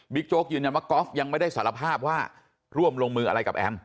โจ๊กยืนยันว่ากอล์ฟยังไม่ได้สารภาพว่าร่วมลงมืออะไรกับแอม